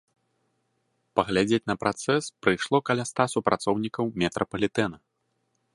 Паглядзець на працэс прыйшло каля ста супрацоўнікаў метрапалітэна.